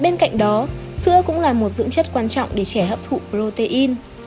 bên cạnh đó sữa cũng là một dưỡng chất quan trọng để trẻ hấp thụ protein